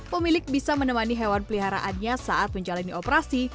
pemilik bisa menemani hewan peliharaannya saat menjalani operasi